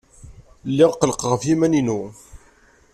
Lliɣ ɣellqeɣ ɣef yiman-inu.